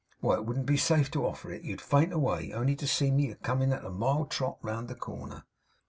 Why, it wouldn't be safe to offer it. You'd faint away, only to see me a comin' at a mild trot round the corner.